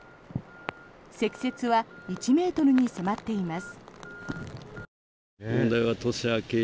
積雪は１ｍに迫っています。